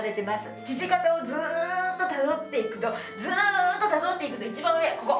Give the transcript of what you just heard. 父方をずっとたどっていくとずっとたどっていくと一番上ここ。